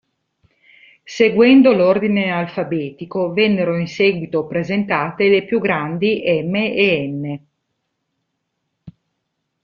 Seguendo l'ordine alfabetico vennero in seguito presentate le più grandi "M" e "N".